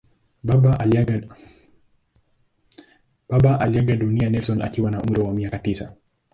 Baba aliaga dunia Nelson alipokuwa na umri wa miaka tisa.